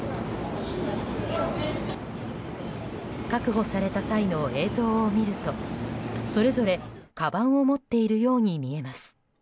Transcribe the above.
確保された際の映像を見るとそれぞれ、かばんを持っているように見えます。